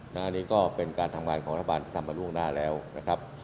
อันนี้ก็เป็นการทำงานของรัฐบาลที่ทำมาล่วงหน้าแล้วนะครับ